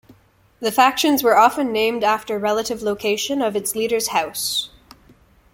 The factions were often named after relative location of its leader's house.